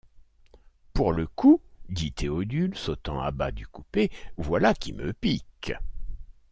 Pour le coup, dit Théodule sautant à bas du coupé, voilà qui me pique.